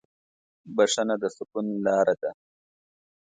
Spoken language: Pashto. بښنه د سکون لاره ده.